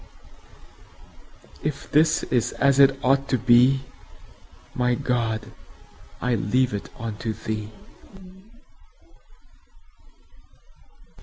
If this is as it ought to be, My God, I leave it unto Thee.